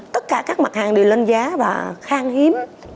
tất cả các mặt hàng đều lên giá và khang hiếm